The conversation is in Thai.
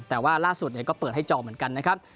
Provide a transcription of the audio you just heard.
แต่ว่าล่าสุดก็เปิดให้จองเหมือนกันนะครับ